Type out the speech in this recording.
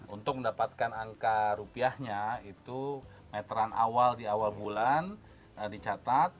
untuk mendapatkan angka rupiahnya itu meteran awal di awal bulan dicatat